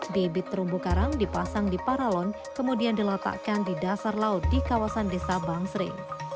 bibit terumbu karang dipasang di paralon kemudian diletakkan di dasar laut di kawasan desa bangsering